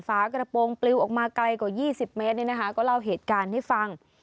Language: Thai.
ฝากระโปรงปลิวออกมาไกลกว่า๒๐เมตรก็เล่าเหตุการณ์ให้ฟัง